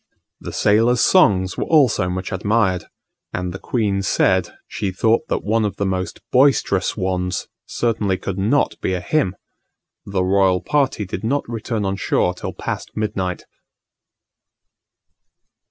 The sailors' songs were also much admired; and the queen said she thought that one of the most boisterous ones certainly could not be a hymn! The royal party did not return on shore till past midnight.